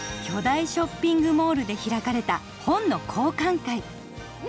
巨大ショッピングモールで開かれた本の交換会。